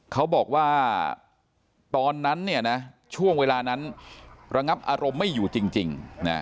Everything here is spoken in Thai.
เขาบอกว่าตอนนั้นช่วงเวลานั้นระงับอารมณ์ไม่อยู่จริง